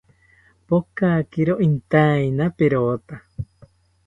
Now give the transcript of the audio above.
Pokakiro intaina perota